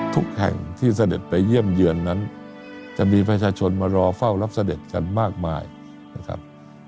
ทุกแห่งที่เสด็จไปเยี่ยมเยือนนั้นจะมีประชาชนมารอเฝ้ารับเสด็จกันมากมายนะครับ